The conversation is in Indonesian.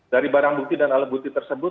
dari barang bukti dan alat bukti tersebut